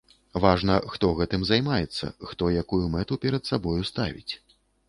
Важна, хто гэтым займаецца, хто якую мэту перад сабою ставіць.